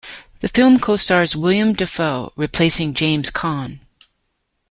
The film co-stars Willem Dafoe, replacing James Caan.